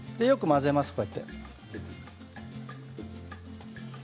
よく混ぜます。